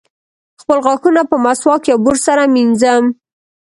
خپل غاښونه په مسواک یا برس سره مینځم.